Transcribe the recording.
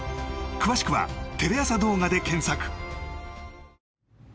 詳しくは「テレ朝動画」で検索。